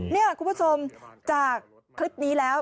นี่คุณผู้ชมจากคลิปนี้แล้ว